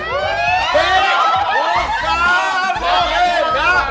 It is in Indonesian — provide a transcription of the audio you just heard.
jangan kejar kamar